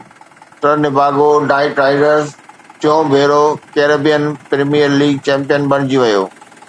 Trinbago Knight Riders ٽيون ڀيرو Caribbean Premier League champion بڻجي ويو